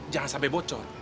jangan sampai bocor